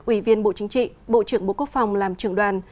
ủy viên bộ chính trị bộ trưởng bộ quốc phòng làm trưởng đoàn